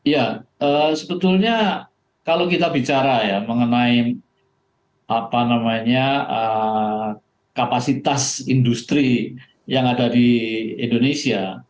ya sebetulnya kalau kita bicara ya mengenai kapasitas industri yang ada di indonesia